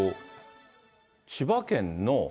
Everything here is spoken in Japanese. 千葉県の。